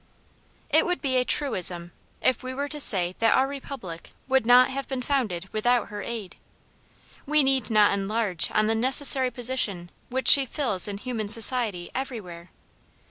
It would be a truism, if we were to say that our Republic would not have been founded without her aid. We need not enlarge on the necessary position which she fills in human society every where.